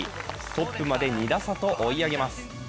トップまで２打差と追い上げます。